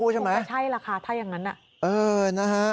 ใช่ละค่ะถ้าอย่างนั้น